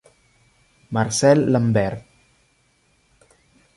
Marcel Lambert